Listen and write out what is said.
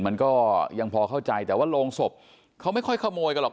มันก็ยังพอเข้าใจแต่ว่าโรงศพเขาไม่ค่อยขโมยกันหรอก